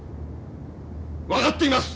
分かっています！